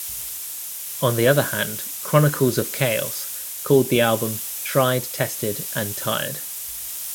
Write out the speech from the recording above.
On the other hand, Chronicles of Chaos called the album "tried, tested and tired".